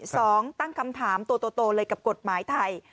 สองตั้งคำถามตัวโตเลยกับกฎหมายไทย